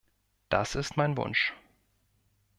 Das ist mein Wunsch.